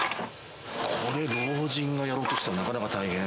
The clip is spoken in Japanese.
これ、老人がやろうとしたらなかなか大変。